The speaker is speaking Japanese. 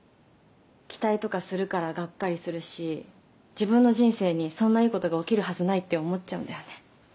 期待とかするからガッカリするし自分の人生にそんないいことが起きるはずないって思っちゃうんだよね